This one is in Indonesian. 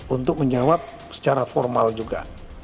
untuk menjawab secara formal juga